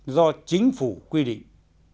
do chính phủ quy định